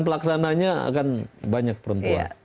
pelaksananya akan banyak perempuan